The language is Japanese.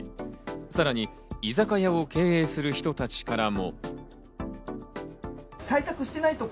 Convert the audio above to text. さらに居酒屋を経営する人たちからも。